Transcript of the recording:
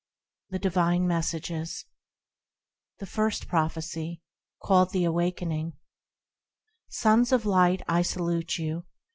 The Divine Messages The First Prophecy, called the Awakening SONS of Light, I salute you.